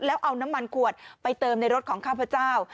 แล้วเอาน้ำมันขวดไปเติมในรถของข้าพเจ้า